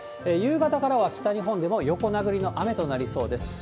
夕方からは北日本でも横殴りの雨となりそうです。